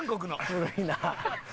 古いなあ。